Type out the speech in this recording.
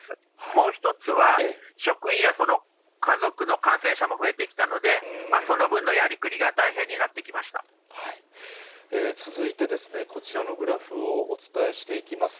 もう一つは、職員やその家族の感染者も増えてきたので、その分のやりくりが大続いてこちらのグラフをお伝えしていきます。